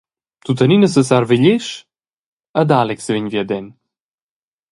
Tuttenina sesarva igl esch ed Alex vegn viaden.